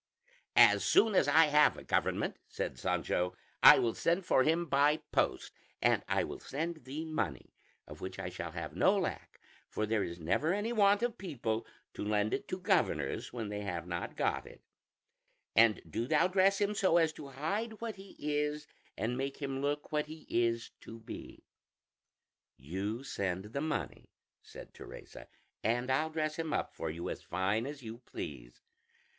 "As soon as I have the government," said Sancho, "I will send for him by post, and I will send thee money, of which I shall have no lack, for there is never any want of people to lend it to governors when they have not got it; and do thou dress him so as to hide what he is and make him look what he is to be." "You send the money," said Teresa, "and I'll dress him up for you as fine as you please."